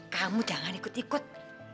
kamu jangan ikut ikut